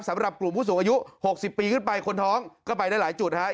สำหรับกลุ่มผู้สูงอายุ๖๐ปีขึ้นไปคนท้องก็ไปได้หลายจุดฮะ